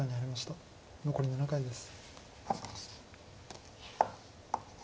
残り７回です。